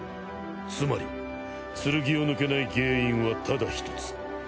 つまり剣を抜けない原因はただ一つ。